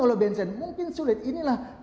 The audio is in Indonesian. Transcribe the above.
oleh benzen mungkin sulit inilah